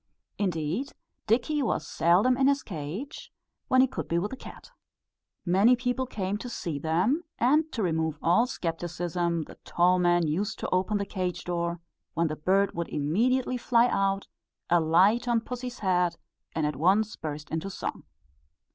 Indeed, Dickie was seldom in his cage, when he could be with the cat. Many people came to see them; and to remove all scepticism the toll man used to open the cage door, when the bird would immediately fly out, alight on pussy's head, and at once burst into song.